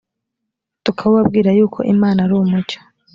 tukabubabwira yuko imana ari umucyo